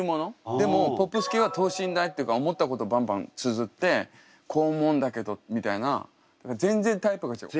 でもポップス系は等身大っていうか思ったことバンバンつづって「こう思うんだけど」みたいな。全然タイプが違う。